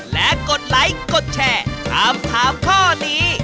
และกดไลค์กดแชร์ถามถามข้อนี้